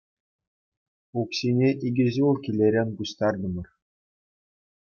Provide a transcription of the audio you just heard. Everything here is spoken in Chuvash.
Укҫине икӗ ҫул килӗрен пуҫтартӑмӑр.